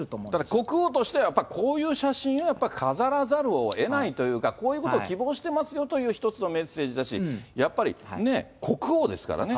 国王としてはやっぱこういう写真をやっぱり飾らざるをえないというか、こういうことを希望してますよという一つのメッセージだし、やっぱりね、国王ですからね。